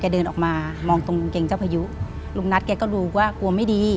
เดินออกมามองตรงกางเกงเจ้าพยุลุงนัทแกก็รู้ว่ากลัวไม่ดี